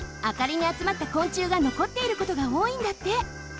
あかりにあつまった昆虫がのこっていることがおおいんだって。